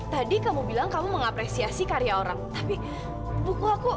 tadi kamu bilang kamu mengapresiasi karya orang tapi buku aku